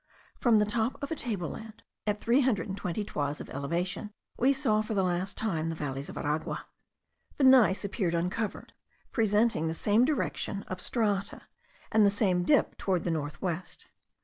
From the top of a table land, at three hundred and twenty toises of elevation, we saw for the last time the valleys of Aragua. The gneiss appeared uncovered, presenting the same direction of strata, and the same dip towards the north west.